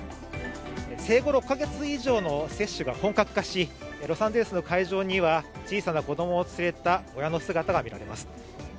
生後６カ月以上の接種が本格化し、ロサンゼルスの会場には小さな子供を連れた親の姿が見られます。